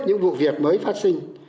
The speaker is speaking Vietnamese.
những vụ việc mới phát sinh